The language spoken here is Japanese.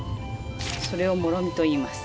それをもろみといいます。